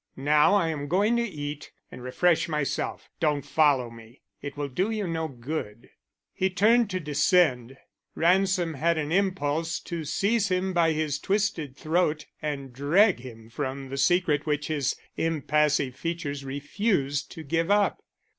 Now I am going to eat and refresh myself. Don't follow me; it will do you no good." He turned to descend. Ransom had an impulse to seize him by his twisted throat and drag from him the secret which his impassive features refused to give up.